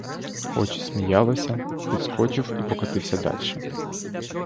Очі сміялися, підскочив і покотився дальше.